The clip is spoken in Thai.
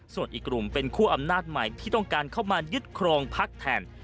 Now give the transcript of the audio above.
ส่วนอีกกลุ่มเป็นคั่วอำนาจใหม่ที่ต้องการเข้ามายึดครองพักแทน